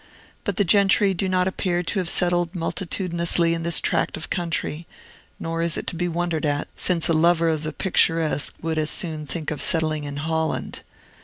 But the gentry do not appear to have settled multitudinously in this tract of country; nor is it to be wondered at, since a lover of the picturesque would as soon think of settling in Holland.